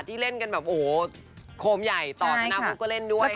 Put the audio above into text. ที่เล่นกันแบบโอ้โฮโคมใหญ่ต่อสนับพรุ่งก็เล่นด้วยค่ะ